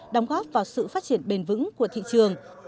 đóng góp vào sự phát triển bền vững của thị trường